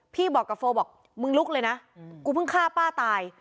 บอกกับโฟบอกมึงลุกเลยนะกูเพิ่งฆ่าป้าตาย